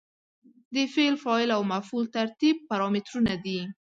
د فعل، فاعل او مفعول ترتیب پارامترونه دي.